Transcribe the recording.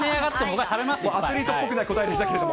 アスリートっぽくない答えでしたけど。